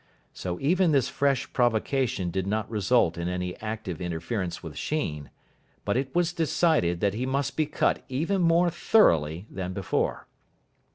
So even this fresh provocation did not result in any active interference with Sheen; but it was decided that he must be cut even more thoroughly than before.